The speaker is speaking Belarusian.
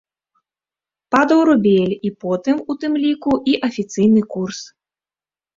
Падаў рубель і потым, у тым ліку і афіцыйны курс.